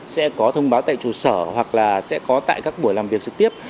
sẽ có thông báo tại trụ sở hoặc là sẽ có tại các buổi làm việc trực tiếp